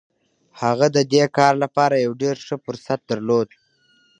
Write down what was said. هغه د دې کار لپاره يو ډېر ښه فرصت درلود.